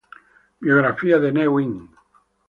Biografía de Ne Win